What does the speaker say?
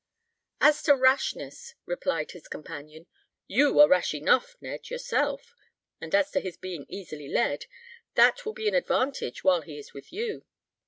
"As to rashness," replied his companion, "you are rash enough, Ned, yourself; and as to his being easily led, that will be an advantage while he is with you.